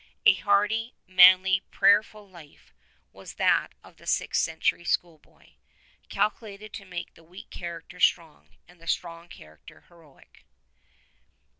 A hardy, manly, prayerful life was that of the sixth century schoolboy, cal culated to make the weak character strong, and the strong character heroic.